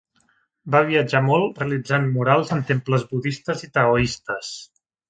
Va viatjar molt realitzant murals en temples budistes i taoistes.